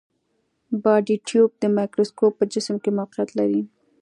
بادي ټیوب د مایکروسکوپ په جسم کې موقعیت لري.